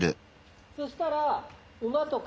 そしたら馬とか。